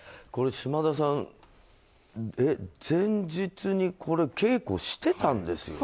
島田さん前日に稽古してたんですよね。